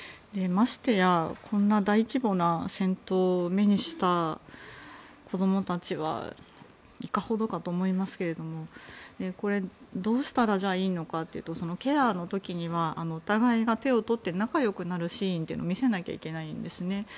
ましてや、こんな大規模な戦闘を目にした子供たちはいかほどかと思いますけれどもどうしたらいいのかというとケアの時にはお互いが手を取って仲良くなるシーンを見せなきゃいけないんですね。